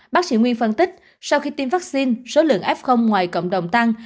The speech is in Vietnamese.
bác sĩ nguyên phân tích sau khi tiêm vaccine số lượng f ngoài cộng đồng tăng